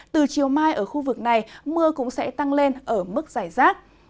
từ chiều mai ở khu vực này mưa cũng sẽ tăng lên ở mức giải rác